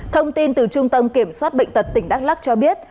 thông tin từ trung tâm kiểm soát bệnh tật tỉnh đắk lắc cho biết